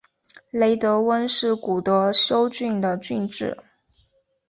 雷德温是古德休郡的郡治。